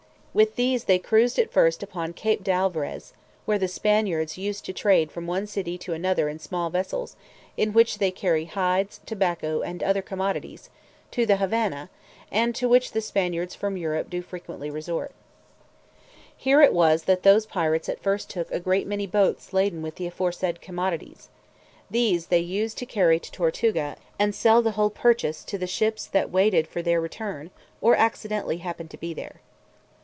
With these they cruised at first upon Cape de Alvarez, where the Spaniards used to trade from one city to another in small vessels, in which they carry hides, tobacco, and other commodities, to the Havannah, and to which the Spaniards from Europe do frequently resort. Here it was that those pirates at first took a great many boats laden with the aforesaid commodities; these they used to carry to Tortuga, and sell the whole purchase to the ships that waited for their return, or accidentally happened to be there.